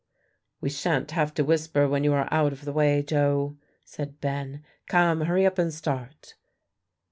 "We sha'n't have to whisper when you are out of the way, Joe," said Ben; "come, hurry up and start."